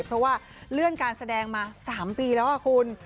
เพราะว่าเลื่อนการแสดงมา๓ปีแล้วคุณ